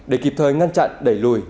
để kịp thời ngăn chặn đẩy lùi